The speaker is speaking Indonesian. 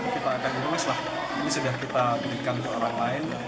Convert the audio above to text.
kita akan lulus lah ini sudah kita berikan ke orang lain